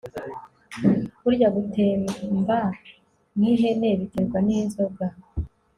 burya gutemba nk'ihene biterwa ninzoga